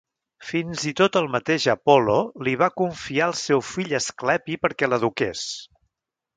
Fins i tot el mateix Apol·lo li va confiar al seu fill Asclepi perquè l'eduqués.